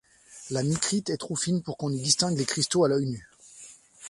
La micrite est trop fine pour qu'on y distingue les cristaux à l'œil nu.